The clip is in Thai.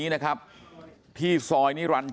มันต้องการมาหาเรื่องมันจะมาแทงนะ